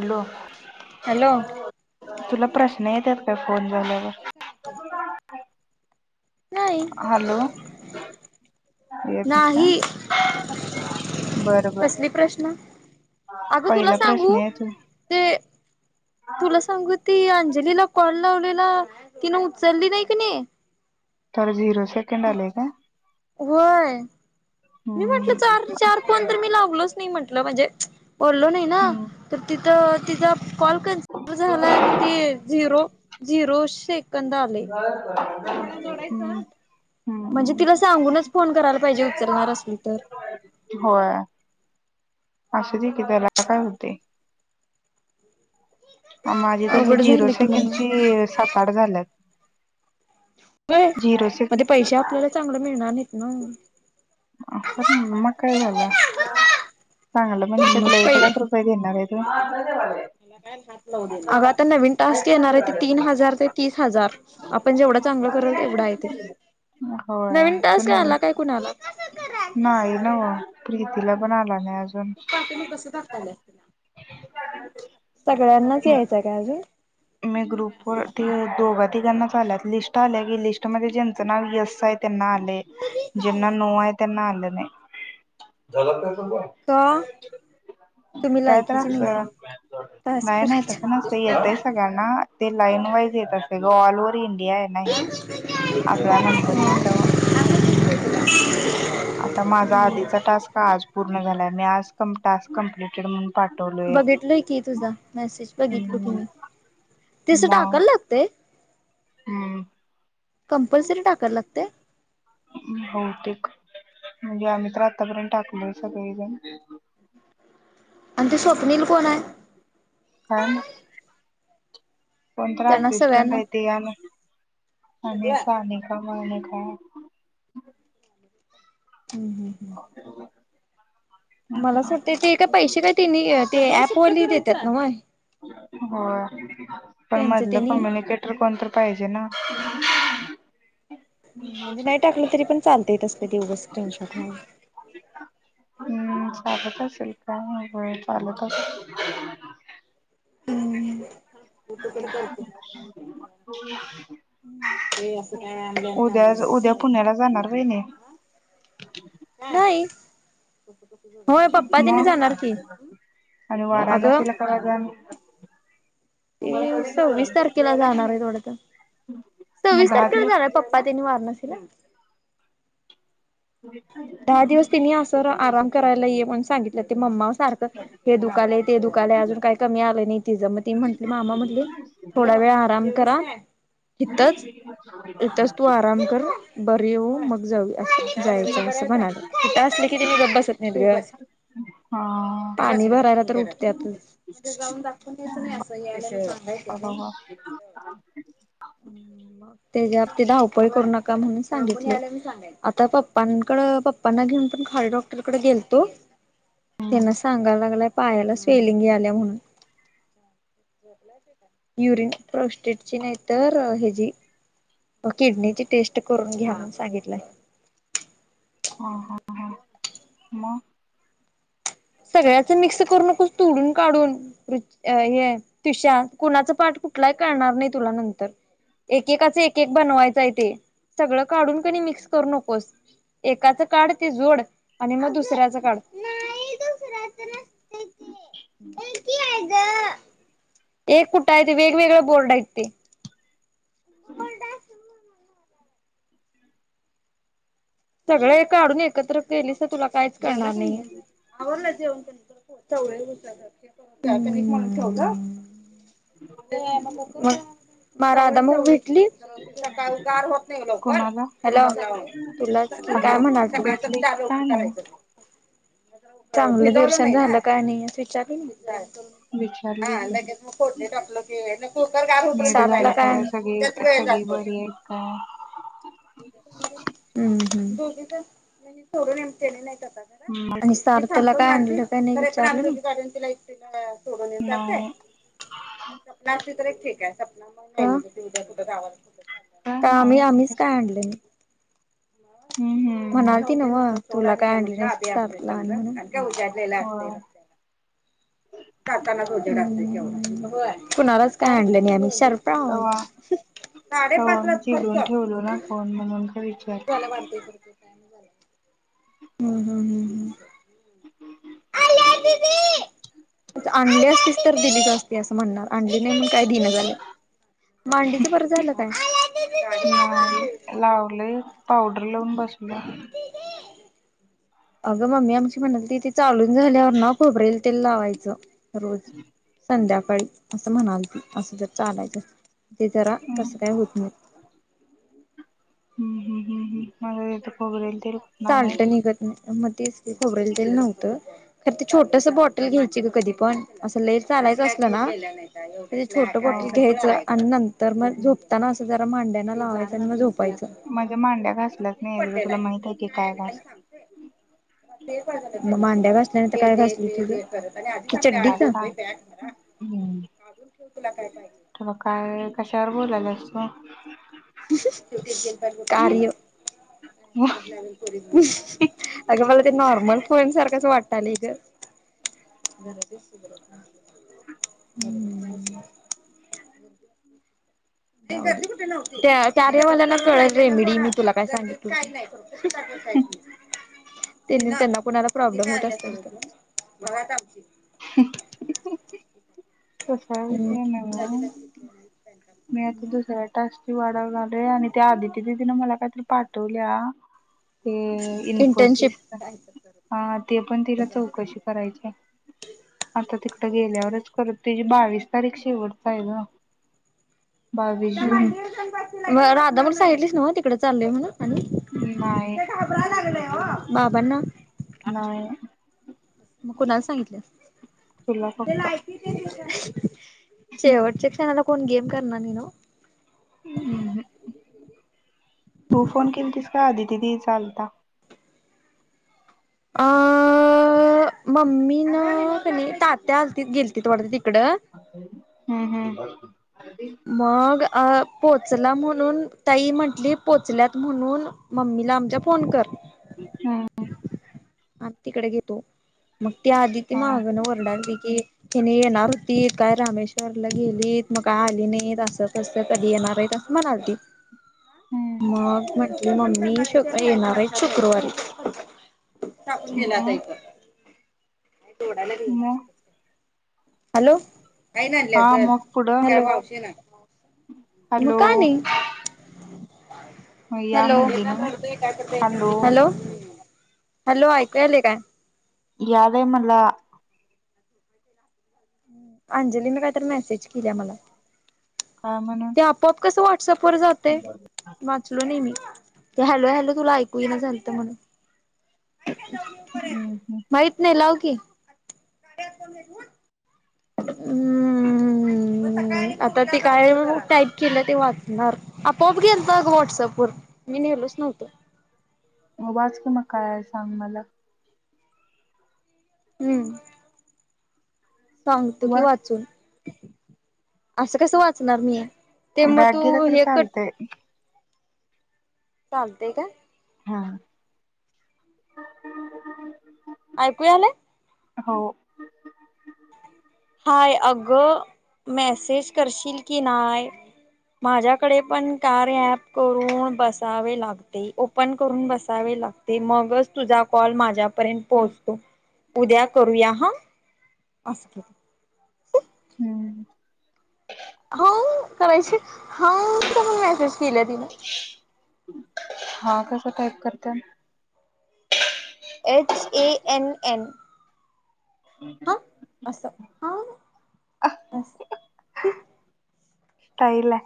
आलो. हॅलो. तुला प्रश्न येतात काय फोन झाल्यावर. [unintelligible] हॅलोेत का. नाही बरं बरं कसली प्रश्न अगं तुला पहिला सांगू? प्रश्न आहे तू ते तुला सांगू ती अंजलीला कॉल लावलेला तिनं उचलली नाही कणी. थांब झिरो सेकंड आलेय का? होय. मी म्हटलं हम्म चार चार फोन तर मी लावलोच नाही म्हंटलं म्हणजे बोलो नाही ना हम्म तर ती तर तिचा कॉल कनसम झाला आणि ते झिरो झिरो शे कंद आले ते त्याला जोडायचं? हम्म म्हणजे हम्म तिला सांगूनच फोन करायला पाहिजे उचलणार अस होय. असू दे की त्याला काय हुतंय? माझी तसले अवघड झिरो झाले की मग सेकंडची सात, आठ झाल्यात. झिरो म ते सेकंड पैसे आपल्याला चांगले मिळणार नाहीत ना? मग काय झालं चांगलं म्हणजे काय मग तुला पै एक लाख रुपय सर येणार हाईत होय? [inaudible] अग आता नवीन टास्क येणार आहे ते तीन हजार ते तीस हजार. आपण जेवढं चांगलं करल तेवढा आहे. ते होय नवीन तू तस नव्हे आला काय कुणाला? नाही नव प्रीतीला पण आला नाही आज तू पाठीमाग कस दाखवल्यास तिला? सगळ्यांनाच यायचं काय अजून? मी ग्रुप वर त दोघ तिघांनाच आल्यात लिस्ट आल्या की लिस्टमध्येध्ये ज्यांचं नाव यस आहे त्यांना आ ज्यांना नो आहे त्यांना आलं नाही. का? तुम्ही काय तर लायकीचे असलं, नाहीसा टास्क नाही नाही करायचा तस ना ते येतय सगळ ते लाईन वाईज येत असते ग ऑल ओव्हर इंडिया आहे ना हे. आपला नंबर येईल तवा [inaudible] आता माझा आधीचा टास्क आज पूर्ण झालाय. मी आज टास्क कंप्लेंट्ड बघितलोय की तुझा मेसेज बघितलो की हम्म मी. तस मग टाकायला लागतय? हम्म. कंपल्सरी टाकायला लागतय? भौतेक म्हणजे आम्ही तर आतापर्यंत टाकलो सगळेजण. आणि ते स्वप्नील कोण आहे? काय मा कोणत तर त्यांना असिस्टंट सगळ्यांना आहे ते याला आणि सानिका म्हणून एक हाय. हम्म हम्म हम्म. मला अस वाटतं ते का पैसे काय तिनी ते ऍप वली देतात नव? हो पण मधलं त्यांनी कम्युनिकेटर कोणत पाहिजे ना. म्हणजे नाही टाकलं तरी पण चालत य हम् चालत असेल का चालतय असेल [unintelligible] हम्म. [inaudible] ते असं काय ऑनलाईन राहणार उद्या नाही. उद्या पुण्याला जाणार व्हय ह्यनी. नाही होय पप्पा तिनी मग जाणार की. आणि अगं वाराणसीला कराज ते सव्वीस तारखेला जाणार हाईत वाढत. मग सव्वीस दहा तारखेला दिवस जाणार पप्पा त्यांनी वाराणसी ला. होय काय. दहा दिवस तिनी असं आराम करायला ये म्हणून सांगितलं ते मम्मा सारखं हे दुखालेय ते दुखालेय अजून काही कमी आलं नाही तिजं मग ती म्हटली मामा म्हटली थोडा वेळ आराम करा. ह [unintelligible] इथच तू आराम कर बर येऊ मग जाऊ अस. जायचं असं म्हणाले त असले की तेनी गप बसत नाही ग. हा. पाणी भरायला तर उठत्यातच. तिथं जाऊन दाखवून यायचं नाही असं या सांगायच. ह ह हम्म. त्याच्या ते धावपळी करू नका म्हणून सांगितल आता प प्पां कड पप्पांना घेऊन पण खाली डॉक्टरकडे गेलतो त्यांना सांगायला लागलाय. पायाला स्वेलिंगी आल्या म्हणून युरिन प्रोस्टेटची नाही तर ह्याजी. हो किडनीची टेस्ट करून घ्या सांगितलंय. ह हा ह म. सगळ्याच मिक्स करू नकोस तोडून काढून. हे तुष्या कुणाच पाठ कुठलाही करणार नाही तुला नंतर एकेकाचं एक एक बनवायचं आहे ते सगळं काढून कनई मिक्स करू नकोस. एकाचं काढ ते जोड आणि मग दुसऱ्याचं काढ. [inaudible] [unintelligible] अच्छा. एक कुठं आहे वेगवेगळे बोर्ड आहेत ते. कोण द सगळे का काढून एकत्र केलीस तुला काहीच करणार नाही आवरलं जेवण तेन. हो [unintelligible] ग म रादा मग भेटली. तुला काय उगार होत नाही लवकर कोणाला हॅलो. तुलाच काय हॅलो म्हणाल तो काय भेटली चालू का नाही करायचं. चांगलं दर्शन झालं का नाही विचारलं. विचारली हा की लगेच मग फोडणी टाकलो कि कुकर गार हो नीट झालं काय पर्येंत सगळी सगळी बरी आहेत काय. हम्म हम दोघीच म्हणजे सोरूने केले नाही काता का हम्. ारला का ति इ सोड सारत नाही [unintelligible] सपनाची तर एक ठीक आहे सपना म उद्या कुठावा काय का आम्ही आहे ते आम्हीच कशी काय आणले नाही. हम्म हम्म म्हणाल ती नव्ह तुला काय आनलय. का उऊज्यालेला असत. होय जातानाच उजेड असतोय केवढा व्हय कुणालाच काय आणले नाही आम्ही शर्फ तवा काारे साडे तवा पाचला मी फक्त्त. चिडून ठेवलो ना फोन म्हणून का विचार ् हमम्म्. अ आणली असतीच तर दिलीच असती असं म्हणणार आणली नाही म्हण काय दिना झाल्या मांडीचं बर झालं काय. लावलय पावडर लावून बसले. हो. अगं मम्मी आमची म्हणाल ती तिथे चालून झाल्यावर ना खोबरेल तेल लावायचं. रोज संध्याकाळी असं म्हणाल ती असं जर चालायच. ते जरा तसं काय होत नाही. हम् हम् हम् हम् मझथ पोगळील तर पुणार साल्ट नाही [unintelligible] निघत मग तेच की खोबरेल तेल नव्हतं. खरं ते छोटस बॉटल घ्यायची ग कधी पण असं लेय चालायचं असलं ना ते छोट हो बॉटल घ्यायचं आणि न तर मग झोपताना असं जरा मांड्यांना लावायचं आणि मग झोपायचं माझ्या मांड्या घासलाच नाही तुला माहित आहे की काय घास मग मांड्या घासल्याने तर काय घासली त मला काय काढून सांग ठेव तुला काय पाहिजे? ते ब काय कशावर बोलायललीस का आ तू अगं मला ते नॉर्मल फोन सारखंच वाटलय ग हम् त्या कार्यावाल्याना कळे रेमेडी मी तुला काय सांगितलं कय त्यांना कोणाला प्रॉब्लेम होत असेल ह तसा हम्म विषय मग मी आता दुसराया तासची वाढ झा आले आणि त्या आदिती दिदीन मला काहीतरी पाठवल्या ते इंटर्नशिप इन्फोसिस हा ते पण तिला चौकशी करायची आता तिकडं गेल्यावरच करत तिची बावीस तारीख शेवटची आहे ग ह बावीस जून राधा म्हण सागितलीस ना तिकडे चालली आहे म्हणा नाही बाबांना नाही मग कोणाला सांगितलं तुला फक्त शेवटच्या क्षणाला कोण गेम करणार नाही नव हम्म तु फोन केली तिस का आधी दिदीचा आलता अ मम्मी ना कली तात्या आलतीत गेली गेलीती वाटतं तिकडं हम्म हम्म मग अ पोचला म्हणून ताई म्हंटली पोचल्यात म्हणून मम्मीला आमच्या फोन कर हम्म आण तिकडे घेतो मग त्या आधी ते हा माहागण ओरडायली की कि नाही येणार होती काय रामेश्वरला गेलीत मग काय आली नाहीत असं कसं कधी येणार आहे म्हणालती ह मग म्हटलं मममी स्वतः येणार आहे शुक्रवारी टाकून मग गेलायक का तोडायला बि येई ना मग हॅलो हा मग पुढं हॅलो मुकानी या हॅलो म्हटली ना मग हॅलो हॅलो ऐकू आले काय? या बाई म्हणला अंजली मी कायत मेसेज केल्या मला काय म्हणून ते आपोआप कसं व्हॉट्सअप व जाते? ऐकलो नाही मीते हॅलो हॅलो तुला ऐकू ना झालत म्हणून हम्म हम्म माहित नाही लाव की हम्म हम्म आता ते काय टाईप केलं ते वाचणार आपोआप गेलत वाटसअप वर मी नेलो नव्हतं वाच कि मग काय आहे सांग मला हम्म सांगतो की वाच वाचून, असं कसं वाचणार मी. ते म बॅग तू गेलं तर हे कट चालतंय. चालतय काय? हा. आयकु यालय. हो. हाय अगं, मेसेज करशील की नाय. माझ्याकडे पण कार्य ऍप करून बसावे लागते ओपन करून बसावे लागते. मगच तुझा कॉल माझ्यापर्यंत पोहोचतो, उद्या करूया हा. [unintelligible] [unintelligible] हो करायची हा च पण मेसेज केल्या तिन. हा कस टाईप करतय. H A N N. हम्. हा, असं. हा असं सईलय.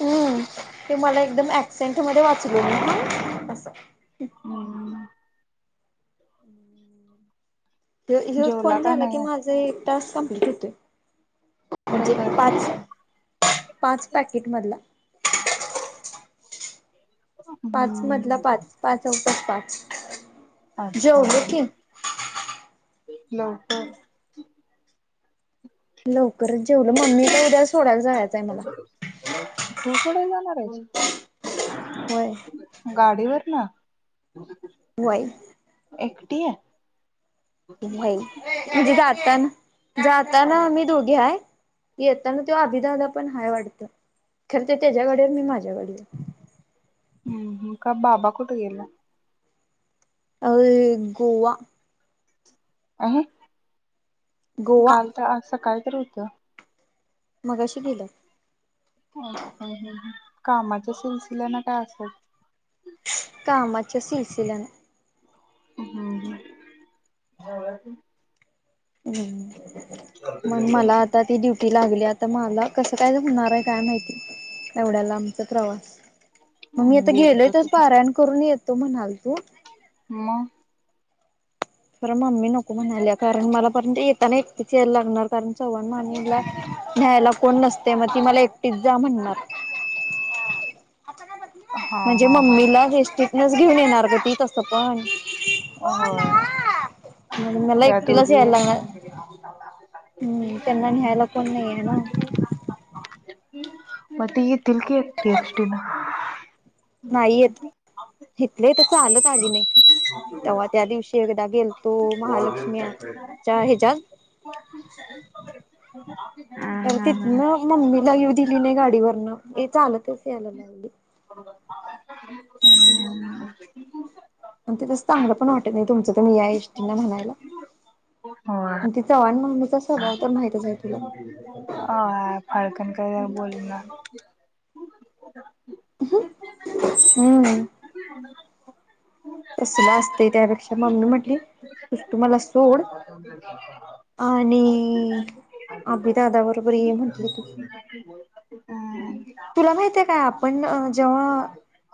हम्म, ते मला एकदम ऍकसेंट मध्ये वाचलो मी. अस. हम्म. [inaudible] होच जेवला फोन का झाला की नाही माझा एक टास्क कंप्लीट होतय. म्हणजे कशाचा? पाच, पाच पॅकेटमधल. पाच मधला पाच [unintelligible] पाच वाजता पाच. अच्छा, जेवलो की लोक. लवकरच जेवलं मम्मीला उद्या सोडायला जायचं आहे मला. तू सोडाय जाणार हाईस. होय. गाडीवर न. वय. एकटी आहे. व्हय म्हणजे जाताना, जाताना आम्ही दोघी हाय. येताना त्यो अभि दादा पण हाय वाटतं, खर त्यो त्याच्या गाडीवर मी माझ्या गाडीवर. हम् हम्म का बाबा कुठ गेल्यात? अ गोवा. आहे, गोवा काल तर आज सकाळी तर होतं. मगाशी गेल्यात. कामाच्या सिलसिल्या न का असच? कामाच्या सिलसील्या न. हम्म. हम, मग मला आता ती ड्युटी लागल्या. आता मला कसं काय जमणार आहे काय माहिती, एवढ्या लांबचा प्रवास. म मी हम्म. आता गेलोय गेलतो की तर पारायण करून येतो म्हणाल तो. म. बर मम्मी नको म्हणाल्या कारण मला पर्यंत येताना एकटच यायला लागणार कारण चव्हाण मानीला न्यायला कोण नसतय म ती मला एकटीच जा म्हणणार. हा म्हणजे हा हा. मम्मीला येस्टीनस घेऊन येणार ग ती तसं पण. होय, मग मला त्यात एकटीलाच उभी यायला हायस. लागणार हम्म त्यांना न्यायला कोण नाही आहे ना. म ते येतील की, एकटी एसटीन. नाही येत, इथले ईथ चालत आली नाही, तेव्हा त्या दिवशी एकदा गेल हो. ह्याच्यात [unintelligible] हम्म हम्म. ना मम्मीला येऊ दिली नाही गाडीवरन, हे चालतच यायला लावली. ह [unintelligible] आणि ते तसं चांगलं पण वाटेल नाही, तुमं तुमी या एष्टींन म्हणायला. होय आणि ति चव्हाण मेवणीचा सभाव तर माहितच आहे तुला. वय, फडकन काय बोल नार. [inaudible] हम्म. कसलं असत, त्यापेक्षा मम्मी म्हटली, तू मला सोड, [inaudible] आणि, अभी दादा बरोबर ये म्हंटले त तुला माहिते का? आपण जेव्हा,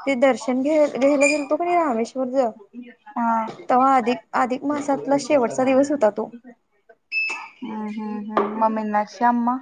ते दर्शन घ घेयला गेलतो की नाही, रामेश्वर च. हा. तेव्हा अधिक अधिक मासातला शेवटचा दिवस होता तो. हम्म हम्म हम्म मम्मीना श्याम म.